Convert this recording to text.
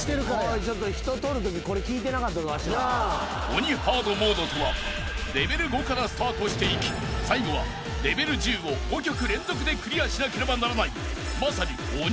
［鬼ハードモードとはレベル５からスタートしていき最後はレベル１０を５曲連続でクリアしなければならないまさに鬼